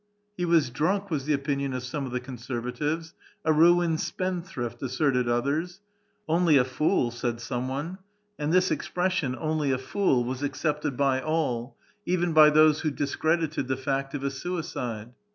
" He was drunk," was the opinion of some of the conser vatives ;" a ruined spendthrift," asserted others. " Only a fool" (durdk)^ said someone. And this expres sion, " Only a fool," was accepted by all, even by those who discredited the fact of a suicide.